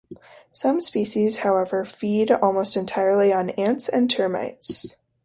Some species, however, feed almost entirely on ants and termites.